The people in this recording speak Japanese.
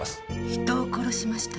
人を殺しました。